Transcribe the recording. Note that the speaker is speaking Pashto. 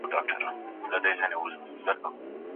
د سياست اصولو ته د اړتياوو پر بنسټ بدلون ورکړل سوی دی.